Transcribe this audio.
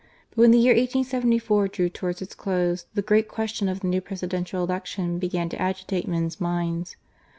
But when the year 1874 drew towards its close, the great question of the new Presidential Election began to agitate men's minds.